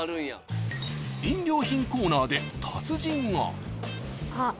［飲料品コーナーで達人が］あっ。